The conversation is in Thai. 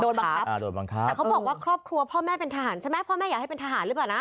บังคับอ่าโดนบังคับแต่เขาบอกว่าครอบครัวพ่อแม่เป็นทหารใช่ไหมพ่อแม่อยากให้เป็นทหารหรือเปล่านะ